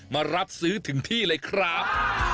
มารับซื้อถึงที่เลยครับ